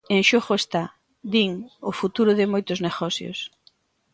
En xogo está, din, o futuro de moitos negocios.